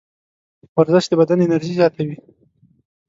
ورزش د بدن انرژي زیاتوي.